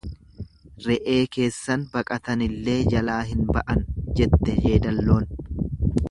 Re'ee keessan baqatanillee jalaa hin ba'an, jette jeedalloon.